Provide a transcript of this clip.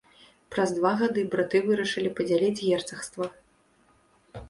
Праз два гады браты вырашылі падзяліць герцагства.